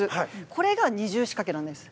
これが二重仕掛けなんです。